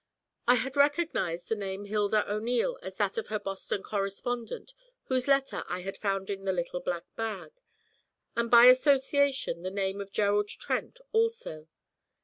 I had recognised the name Hilda O'Neil as that of her Boston correspondent whose letter I had found in the little black bag, and by association the name of Gerald Trent also.